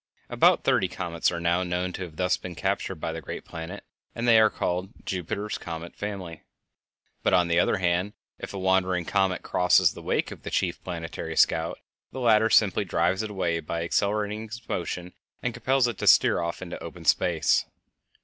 About thirty comets are now known to have thus been captured by the great planet, and they are called "Jupiter's Comet Family." But, on the other hand, if a wandering comet crosses the wake of the chief planetary scout the latter simply drives it away by accelerating its motion and compels it to steer off into open space.